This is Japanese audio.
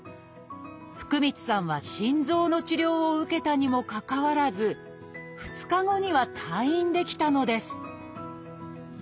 福満さんは心臓の治療を受けたにもかかわらず２日後には退院できたのです